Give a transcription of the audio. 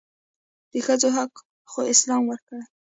دښځو حق خواسلام ورکړي